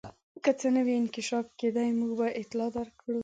که څه نوی انکشاف کېدی موږ به اطلاع درکړو.